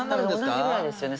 同じぐらいですよね？